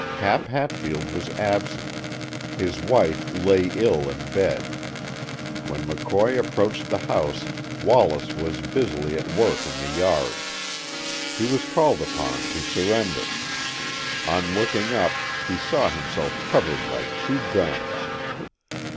Cap Hatfield was absent; his wife lay ill in bed. When McCoy approached the house Wallace was busily at work in the yard. He was called upon to surrender. On looking up he saw himself covered by two guns.